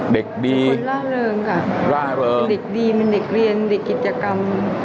เด็กดีล่าเริงค่ะร่าเริงเด็กดีเป็นเด็กเรียนเด็กกิจกรรม